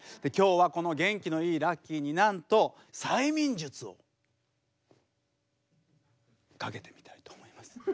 今日はこの元気のいいラッキーになんと催眠術をかけてみたいと思います。